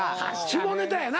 下ネタやな。